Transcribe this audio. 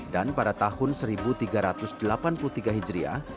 dan pada tahun seribu tiga ratus delapan puluh tiga hijriah